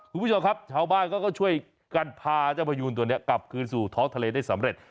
คุณผู้ชมครับชาวบ้านเขาก็ช่วยกันพาเจ้าพยูนตัวนี้กลับคืนสู่ท้องทะเลได้สำเร็จ